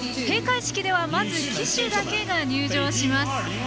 閉会式ではまず旗手だけが入場します。